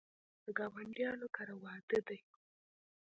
د ګاونډیانو کره واده دی